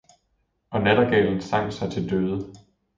Og nattergalen sang sig til døde.